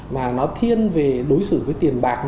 mà nó thiên về đối xử với tiền bạc